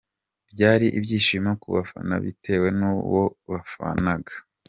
Byari ibyishimo ku bafana bitewe nuwo bafanaga.